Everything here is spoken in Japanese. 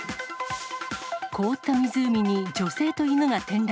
凍った湖に女性と犬が転落。